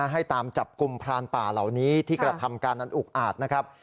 ให้ตามจับกลุ่มพรานป่าเหล่านี้ที่กระทำการนั้นอุกอาจนะครับ